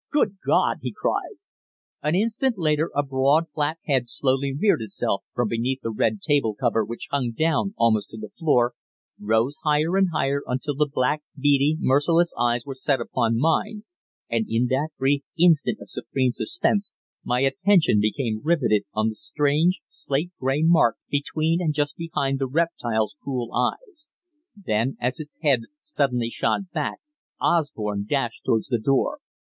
"Good God!" he cried. An instant later a broad, flat head slowly reared itself from beneath the red table cover which hung down almost to the floor, rose higher and higher until the black, beady, merciless eyes were set upon mine, and in that brief instant of supreme suspense my attention became riveted on the strange, slate grey mark between and just behind the reptile's cruel eyes. Then, as its head suddenly shot back, Osborne dashed towards the door.